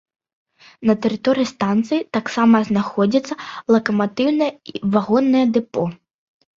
На тэрыторыі станцыі таксама знаходзяцца лакаматыўнае і вагоннае дэпо.